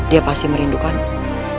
dia pasti merindukanmu